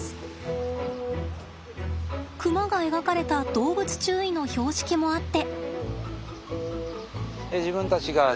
クマが描かれた動物注意の標識もあって。